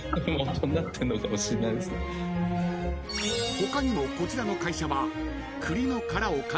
［他にもこちらの会社は］